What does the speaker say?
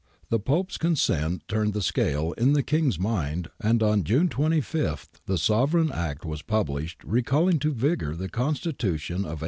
The Pope's consent turned the scale in the King's mind, and on June 25 the Sovereign Act was published recalling to vigour the Constitution of 'E//>o/, 37.